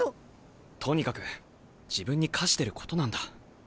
とにかく自分に課してることなんだ。